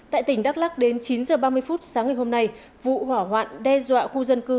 tại tỉnh đắk lắc đến chín h ba mươi phút sáng ngày hôm nay vụ hỏa hoạn đe dọa khu dân cư